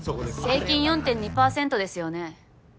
平均４．２％ですよね。